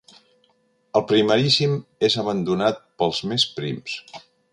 El primeríssim és abandonat pels més prims.